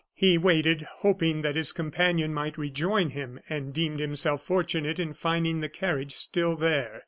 He waited, hoping that his companion might rejoin him, and deemed himself fortunate in finding the carriage still there.